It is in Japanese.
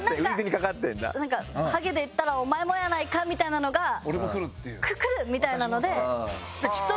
なんか「ハゲで言ったらお前もやないか」みたいなのが「くる！」みたいなので。